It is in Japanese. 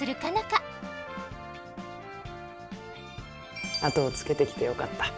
花後をつけてきてよかった。